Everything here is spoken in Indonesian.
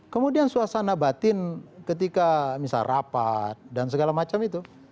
kemudian suasana batin ketika misal rapat dan segala macam itu